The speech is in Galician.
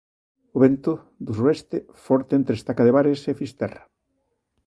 O vento, do suroeste, forte entre Estaca de Bares e Fisterra.